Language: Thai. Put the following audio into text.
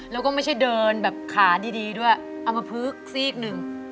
แล้วก็ไม่ใช่เดินแบบขาดีด้วยเอามาพึกซีกหนึ่ง